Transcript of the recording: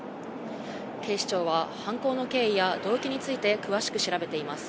警視庁は、犯行の経緯や動機について詳しく調べています。